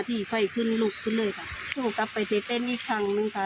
ถูกกลับไปเตะเต้นอีกครั้งนึงค่ะ